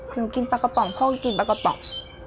หนูกินปลากระป๋องพ่อก็กินปลากระป๋อง